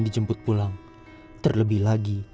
dijemput pulang terlebih lagi